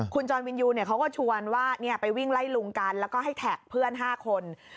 คุณจรวินยูเขาก็ชวนว่าไปวิ่งไล่ลุงกันแล้วก็ให้แท็กเพื่อน๕คน